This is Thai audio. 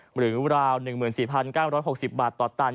หรือราว๑๔๙๖๐บาทต่อตัน